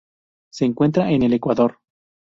Se encuentra en el Ecuador.